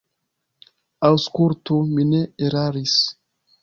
Aŭskultu; mi ne eraris.